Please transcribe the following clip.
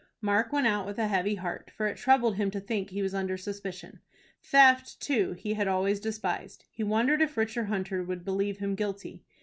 Mark went out with a heavy heart, for it troubled him to think he was under suspicion. Theft, too, he had always despised. He wondered if Richard Hunter would believe him guilty.